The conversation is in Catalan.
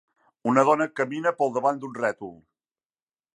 Una dona camina pel davant d'un rètol.